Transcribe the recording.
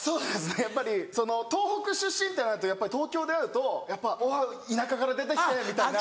やっぱり東北出身ってなるとやっぱり東京で会うと「田舎から出て来て」みたいな。